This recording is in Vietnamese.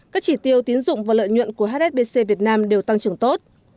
các chỉ tiêu tín dụng và lợi nhuận của hsbc việt nam đều tăng trưởng tốt